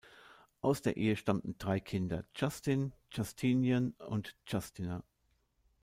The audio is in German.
Aus der Ehe stammten drei Kinder: Justin, Justinian und Justina.